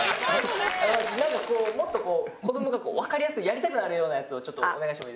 何かこうもっとこう子供が分かりやすいやりたくなるようなやつをお願いしてもいいですか？